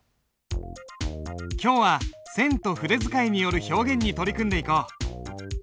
今日は線と筆使いによる表現に取り組んでいこう。